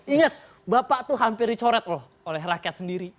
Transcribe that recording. ingat bapak tuh hampir dicoret loh oleh rakyat sendiri